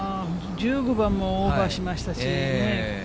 １５番もオーバーしましたしね。